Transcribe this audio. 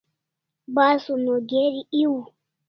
Basun o geri ew